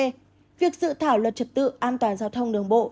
đồng thời việc dự thảo luật trật tự an toàn giao thông đường bộ